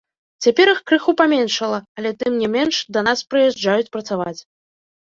Цяпер іх крыху паменшала, але тым не менш да нас прыязджаюць працаваць.